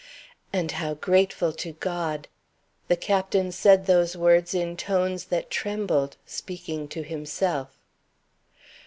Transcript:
"And how grateful to God!" The Captain said those words in tones that trembled speaking to himself.